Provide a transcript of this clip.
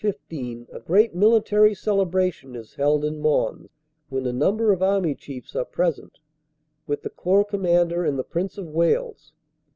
IS, a great military celebration is held in Mons, when a number of Army chiefs are present, with the Corps Commander and the Prince of Wales.